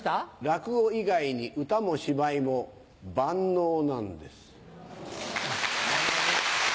落語以外に歌も芝居も万能なんです。